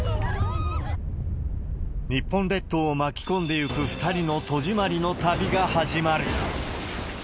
日本列島を巻き込んでゆく、２人の戸締りの旅が始まる。